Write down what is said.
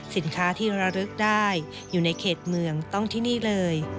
สินค้าที่ระลึกได้อยู่ในเขตเมืองต้องที่นี่เลย